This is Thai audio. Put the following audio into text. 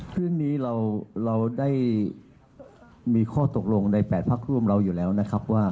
เรื่องนี้เราได้มีข้อตกลงใน๘พักร่วมเราอยู่แล้วนะครับว่า